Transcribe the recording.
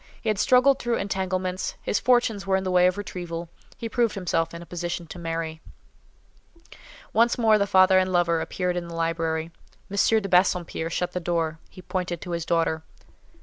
He had struggled through entanglements; his fortunes were in the way of retrieval; he proved himself in a position to marry. Once more the father and lover appeared in the library. M. de Bassompierre shut the door; he pointed to his daughter.